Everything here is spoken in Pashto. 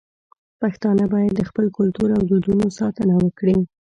پښتانه بايد د خپل کلتور او دودونو ساتنه وکړي.